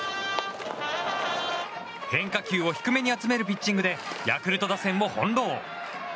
変化球を低めに集めるピッチングでヤクルト打線を翻弄。